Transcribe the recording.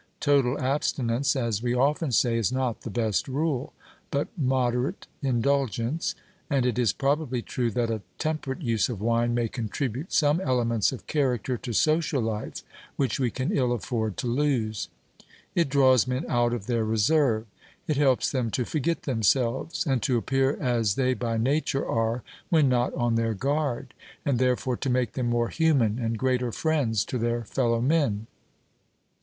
Total abstinence, as we often say, is not the best rule, but moderate indulgence; and it is probably true that a temperate use of wine may contribute some elements of character to social life which we can ill afford to lose. It draws men out of their reserve; it helps them to forget themselves and to appear as they by nature are when not on their guard, and therefore to make them more human and greater friends to their fellow men.